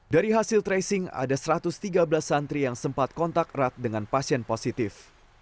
dari hasil tracing ada satu ratus tiga belas santri yang sempat kontak erat dengan pasien positif